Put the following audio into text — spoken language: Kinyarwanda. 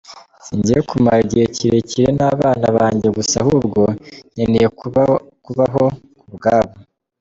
Singiye kumarana igihe kirekire n’abana banjye gusa ahubwo nkeneye kubaho ku bwabo”.